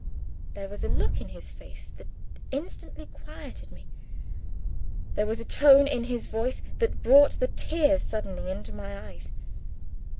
There was a look in his face that instantly quieted me. There was a tone in his voice that brought the tears suddenly into my eyes.